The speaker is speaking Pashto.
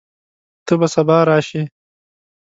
ته به سبا راشې؟